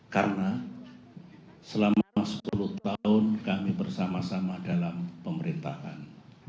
karena selama sepuluh tahun kami bersama sama dalam pemerintahan